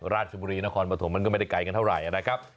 ราชบุรีนครปฐมมันก็ไม่ได้ไกลกันเท่าไหร่นะครับ